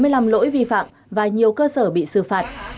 hai trăm bốn mươi năm lỗi vi phạm và nhiều cơ sở bị xử phạt